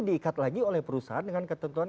diikat lagi oleh perusahaan dengan ketentuan